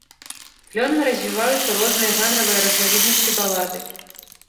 Плённа развіваюцца розныя жанравыя разнавіднасці балады.